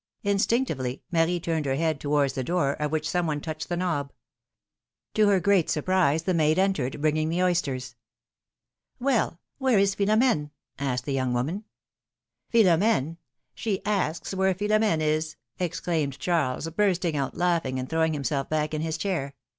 Instinctively, Marie turned her head to wards the door, of which some one touched the knob. To her great surprise, the maid entered bringing the oysters. Well ! where is Philom^ne?^^ asked the young woman. " Philom^ne ! She asks where Philom^ne is ! ex claimed Charles, bursting out laughing and throwing himself back in his chair.